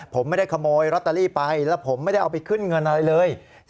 ผมไม่ได้ขโมยลอตเตอรี่ไปแล้วผมไม่ได้เอาไปขึ้นเงินอะไรเลย